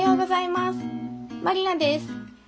まりなです。